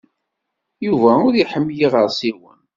Yuba ur iḥemmel iɣersiwen.